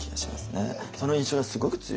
その印象がすごく強い。